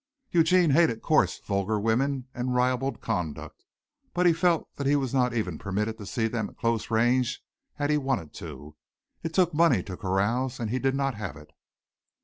Eugene hated coarse, vulgar women and ribald conduct, but he felt that he was not even permitted to see them at close range had he wanted to. It took money to carouse and he did not have it.